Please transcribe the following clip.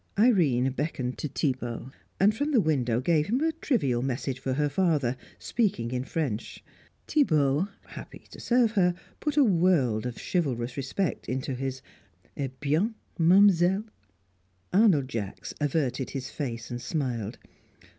Irene beckoned to Thibaut, and from the window gave him a trivial message for her father, speaking in French; Thibaut, happy to serve her, put a world of chivalrous respect into his "Bien, Mademoiselle!" Arnold Jacks averted his face and smiled.